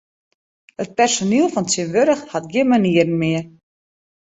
It personiel fan tsjintwurdich hat gjin manieren mear.